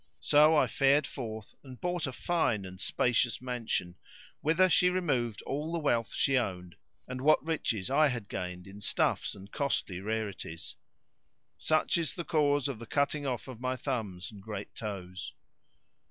So I fared forth and bought a fine and spacious mansion, whither she removed all the wealth she owned and what riches I had gained in stuffs and costly rarities. Such is the cause of the cutting off of my thumbs and great toes.